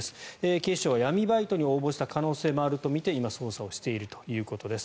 警視庁は闇バイトに応募した可能性もあるとみて今捜査をしているということです。